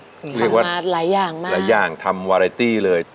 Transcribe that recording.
ทำมาหลายอย่างมากครับหลายอย่างทำวาราตี้เลย